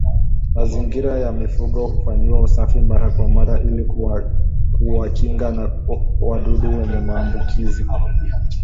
Mazingira ya mifugo kufanyiwa usafi mara kwa mara ili kuwakinga na wadudu wenye maambukizi